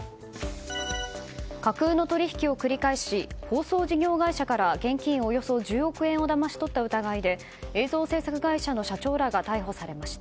架空の取引を繰り返し放送事業会社から現金およそ１０億円をだまし取った疑いで映像制作会社の社長らが逮捕されました。